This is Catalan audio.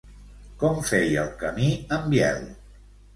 Com feia el camí en Biel?